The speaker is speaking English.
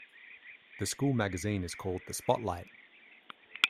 The school magazine is called the "Spotlight".